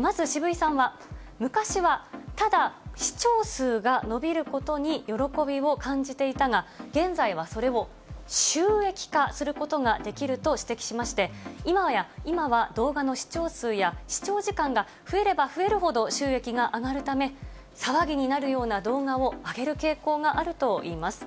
まず渋井さんは、昔はただ視聴数が伸びることに喜びを感じていたが、現在はそれを収益化することができると指摘しまして、今は動画の視聴数や視聴時間が増えれば増えるほど収益が上がるため、騒ぎになるような動画をあげる傾向があるといいます。